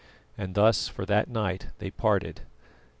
And thus for that night they parted.